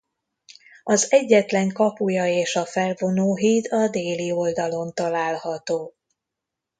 Az egyetlen kapuja és a felvonóhíd a déli oldalon található.